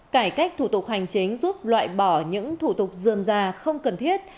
cải cách thủ tục hành chính giúp loại bỏ những thủ tục dườm già không cần thiết